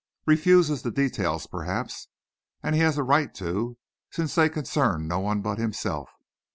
"Refuses the details, perhaps. And he has a right to, since they concern no one but himself.